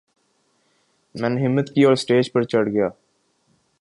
میں نے ہمت کی اور سٹیج پر چڑھ گیا